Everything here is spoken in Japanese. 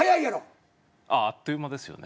あっという間ですよね。